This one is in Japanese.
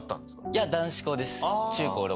いや男子校です。